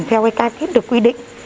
theo cái ca thiết được quy định